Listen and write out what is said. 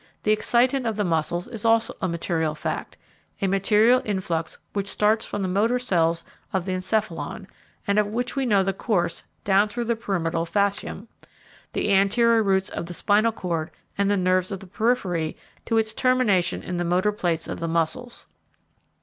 The excitant of the muscles is also a material fact, a material influx which starts from the motor cells of the encephalon, and of which we know the course down through the pyramidal fascium, the anterior roots of the spinal cord, and the nerves of the periphery to its termination in the motor plates of the muscles.